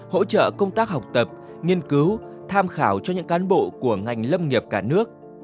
hỗ trợ công tác học tập nghiên cứu tham khảo cho những cán bộ của ngành lâm nghiệp cả nước